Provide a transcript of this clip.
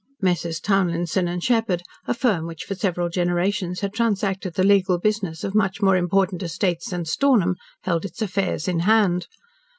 Messrs. Townlinson & Sheppard, a firm which for several generations had transacted the legal business of much more important estates than Stornham, held its affairs in hand.